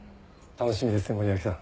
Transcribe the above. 楽しみですね森脇さん。